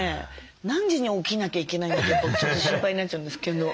何時に起きなきゃいけないんだってちょっと心配になっちゃうんですけど。